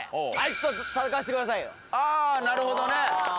あっなるほどね！